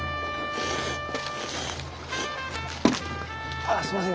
ああすいません。